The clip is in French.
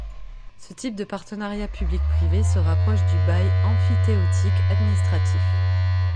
Ce type de partenariat public-privé se rapproche du bail emphytéotique administratif.